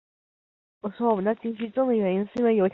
顺天府乡试第六十四名。